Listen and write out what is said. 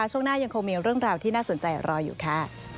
ช่วงหน้ายังคงมีเรื่องราวที่น่าสนใจรออยู่ค่ะ